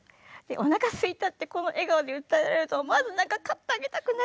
「おなかすいた」ってこの笑顔で訴えられると思わず何か買ってあげたくなっちゃう。